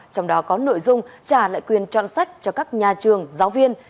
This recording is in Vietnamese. trong đó có nội dung trả lại quyền chọn sách cho các nhà trường giáo viên